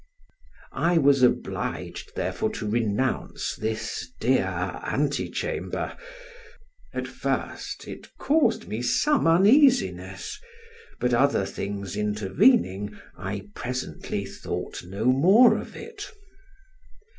I was obliged, therefore, to renounce this dear antechamber; at first it caused me some uneasiness, but other things intervening, I presently thought no more of it.